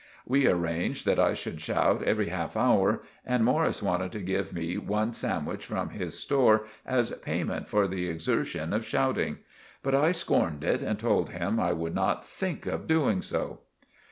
We arranged that I should shout every half hour, and Morris wanted to give me one sandwich from his store as payment for the exershun of shouting; but I skorned it and told him I would not think of doing so.